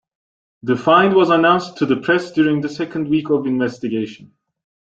The find was announced to the press during the second week of investigation.